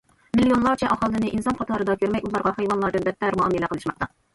مىليونلارچە ئاھالىنى ئىنسان قاتارىدا كۆرمەي، ئۇلارغا ھايۋانلاردىن بەتتەر مۇئامىلە قىلىشماقتا.